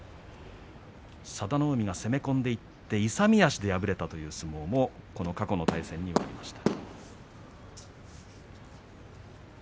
佐田の海が攻め込んでいって勇み足で敗れたという相撲も過去の対戦にはありました。